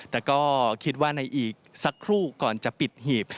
แต่ก็คิดว่าในอีกสักครู่ก่อนจะปิดหีบ